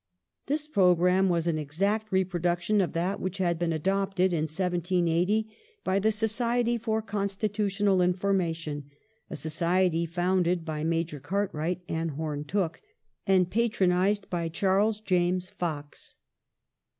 This programme was an exact reproduction of that which had been adopted in 1780 by the Society for Constitutional Information — a society founded by Major Cartwright and Home Tooke, and patronized by Charles James Fox.